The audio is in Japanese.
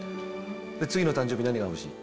次の誕生日何が欲しい？」。